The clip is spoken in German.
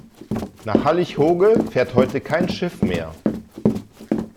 Nach Hallig Hooge fährt heute kein Schiff mehr.